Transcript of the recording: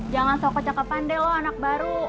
jangan sokot jangka pandai lo anak baru